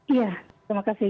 iya terima kasih